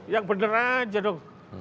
yang beneran aja dong